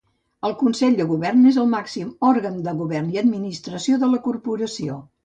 El Consell de Govern és el màxim òrgan de govern i d'administració de la Corporació.